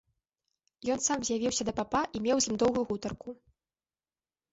Ён сам з'явіўся да папа і меў з ім доўгую гутарку.